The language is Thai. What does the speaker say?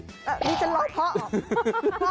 นี่ฉันร้องเพราะออก